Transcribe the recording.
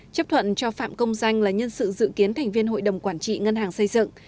chấp thuận cho phạm công danh là nhân sự dự kiến thành viên hội đồng quản trị ngân hàng xây dựng